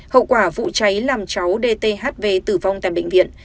hậu quả vụ cháy làm cháu dthv tử vong tại bệnh viện